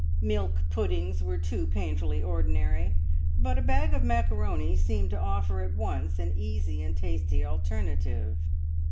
Milk puddings were too painfully ordinary, but a bag of macaroni seemed to offer at once an easy and a tasty alternative.